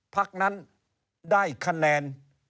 พักนั้นได้คะแนน